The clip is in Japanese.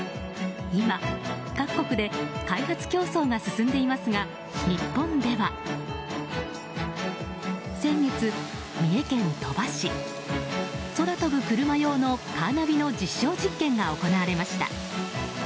今、各国で開発競争が進んでいますが、日本では先月、三重県鳥羽市空飛ぶクルマ用のカーナビの実証実験が行われました。